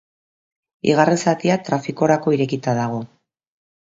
Bigarren zatia trafikorako irekita dago.